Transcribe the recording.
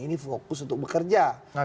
ini fokus untuk bekerja